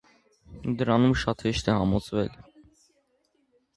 Դրանում շատ հեշտ է համոզվել։